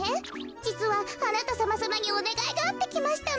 じつはあなたさまさまにおねがいがあってきましたの。